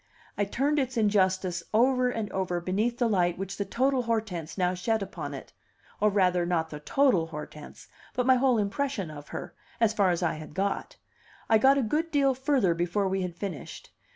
I turned its injustice over and over beneath the light which the total Hortense now shed upon it or rather, not the total Hortense, but my whole impression of her, as far as I had got; I got a good deal further before we had finished.